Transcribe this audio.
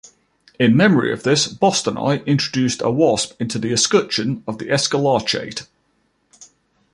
In memory of this Bostanai introduced a wasp into the escutcheon of the exilarchate.